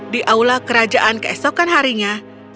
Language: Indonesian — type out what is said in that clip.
di aula kerajaan keesokan harinya